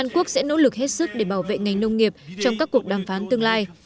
quốc sẽ nỗ lực hết sức để bảo vệ ngành nông nghiệp trong các cuộc đàm phán tương lai